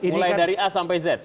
mulai dari a sampai z